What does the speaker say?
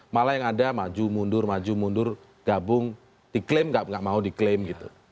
malah yang ada maju mundur maju mundur gabung diklaim gak mau diklaim gitu